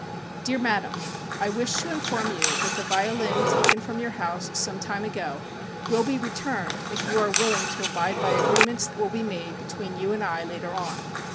Dear Madam: I wish to inform you that the violin taken from your house some time ago will be returned if you are willing to abide by agreements that will be made between you and I later on.